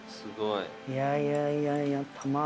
いやいやいやいや。